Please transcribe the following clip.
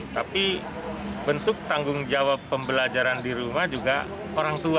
tapi bentuk tanggung jawab pembelajaran di rumah juga orang tua